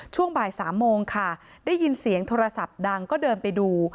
ช่วงบ่าย๓โมงค่ะได้ยินเสียงโทรศัพท์ดังก็เดินไปดู